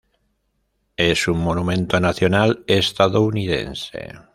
Es un monumento nacional estadounidense.